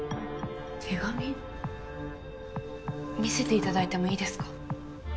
見せていただいてもいいですか？